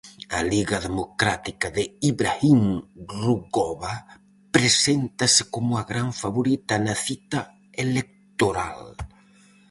A Liga Democrática de Ibrahim Rugova presentase como a gran favorita na cita electoral.